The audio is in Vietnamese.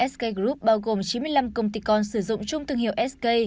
sk group bao gồm chín mươi năm công ty con sử dụng chung thương hiệu sk